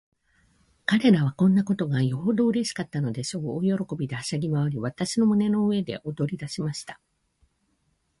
彼等はこんなことがよほどうれしかったのでしょう。大喜びで、はしゃぎまわり、私の胸の上で踊りだしました。